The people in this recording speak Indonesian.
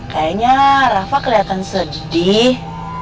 kayaknya rafa keliatan sedih